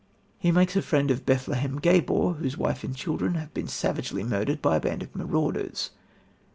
He makes a friend of Bethlem Gabor, whose wife and children have been savagely murdered by a band of marauders.